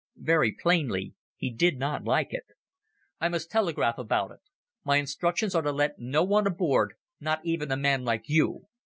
Very plainly he did not like it. "I must telegraph about it. My instructions are to let no one aboard, not even a man like you.